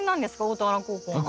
大田原高校の。